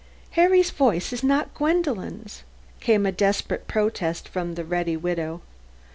"Harry's voice is not like Gwendolen's," came in desperate protest from the ready widow.